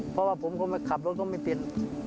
เพราะว่าผมก็ขับรถก็ไม่เป็น